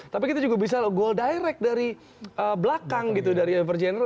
tapi kita juga bisa gol direct dari belakang gitu dari ivar yener